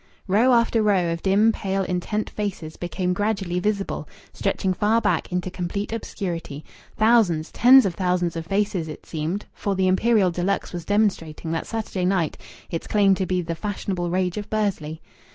Row after row of dim, pale, intent faces became gradually visible, stretching far back into complete obscurity; thousands, tens of thousands of faces, it seemed for the Imperial de Luxe was demonstrating that Saturday night its claim to be "the fashionable rage of Bursley."